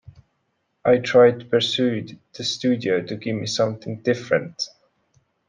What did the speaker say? I tried to persuade the studio to give me something different.